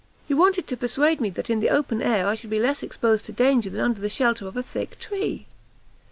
he wanted to persuade me that in the open air I should be less exposed to danger than under the shelter of a thick tree!"